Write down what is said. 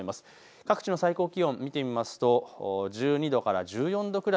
各地の最高気温見てみますと１２度から１４度くらい。